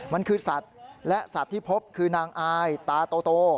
มันคือสัตว์และสัตว์ที่พบคือนางอายตาโต